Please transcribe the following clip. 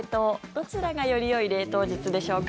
どちらがよりよい冷凍術でしょうか。